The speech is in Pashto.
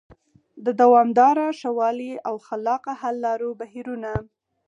د دوامداره ښه والي او خلاقانه حل لارو بهیرونه